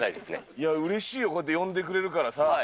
いやうれしいよ、こうやって呼んでくれるからさ。